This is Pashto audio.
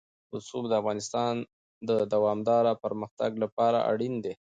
رسوب د افغانستان د دوامداره پرمختګ لپاره اړین دي.